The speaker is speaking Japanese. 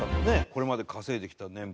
これまで稼いできた年俸。